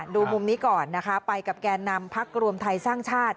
ดูมุมนี้ก่อนนะคะไปกับแกนนำพักรวมไทยสร้างชาติ